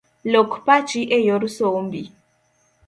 Lok pachi eyor sombi